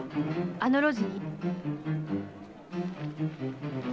あの路地に。